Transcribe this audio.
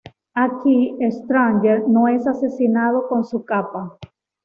Aquí, Strange no es asesinado con su capa.